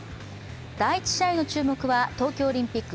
第１試合の注目は東京オリンピック